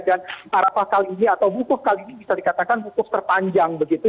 dan arafah kali ini atau hukum kali ini bisa dikatakan hukum terpanjang begitu